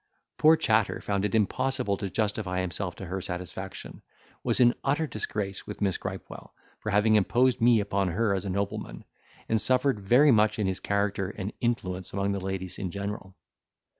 Poor Chatter found it impossible to justify himself to her satisfaction; was in utter disgrace with Miss Gripewell, for having imposed me upon her as a nobleman; and suffered very much in his character and influence among the ladies in general.